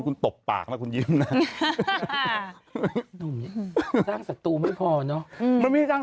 คุณตบปากนะคุณยิ้มน่ะสร้างสัตว์ไม่พอเนอะมันไม่สร้าง